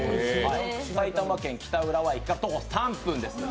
埼玉県北浦和駅から徒歩３分です。